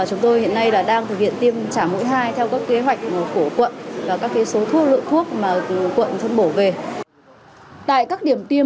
chúng tôi hiện nay đang thực hiện tiêm trả mũi hai theo các kế hoạch của quận và các số thuốc lượng thuốc mà quận thân bổ về